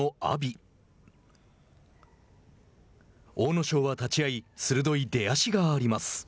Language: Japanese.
阿武咲は立ち合い鋭い出足があります。